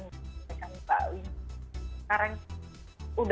ini sih memang benar yang dibilang